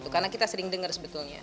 karena kita sering dengar sebetulnya